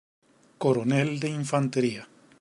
Coronel de Infantería.